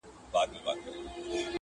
کله کله به خبر دومره اوږده سوه٫